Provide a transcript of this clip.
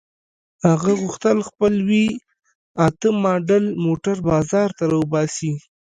هغه غوښتل خپل وي اته ماډل موټر بازار ته را وباسي.